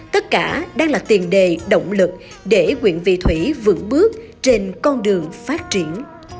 tất cả đang là tiền đề động lực để nguyện vị thủy vượt bước trên con đường phát triển